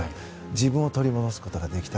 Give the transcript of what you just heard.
自分を取り戻すことができた。